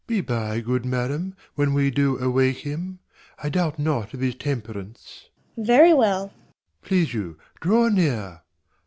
Doct. Be by, good madam, when we do awake him. I doubt not of his temperance. Cor. Very well. Music. Doct. Please you draw near.